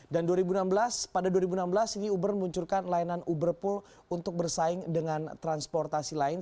dan dua ribu enam belas pada dua ribu enam belas ini uber munculkan layanan uberpool untuk bersaing dengan transportasi lain